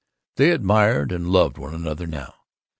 They admired and loved one another now.